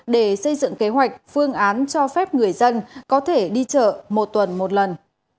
để xây dựng kế hoạch phương án cho phép người dân có thể đi chợ một tuần một lần